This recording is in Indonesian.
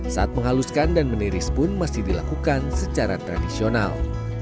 saat menghaluskan dan meniris pun masih dilakukan secara tradisional